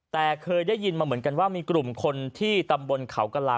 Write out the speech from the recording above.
แต่เคยได้ยินมาเหมือนกันว่ามีกลุ่มคนที่ตำบลเขากระลา